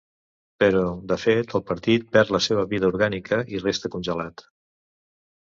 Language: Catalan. Però, de fet, el partit perd la seva vida orgànica i resta congelat.